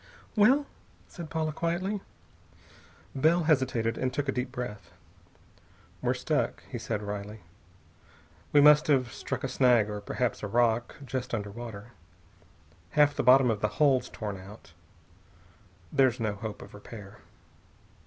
"Well?" said Paula quietly. Bell hesitated, and took a deep breath. "We're stuck," he said wryly. "We must have struck a snag or perhaps a rock, just under water. Half the bottom of the hull's torn out. There's no hope of repair.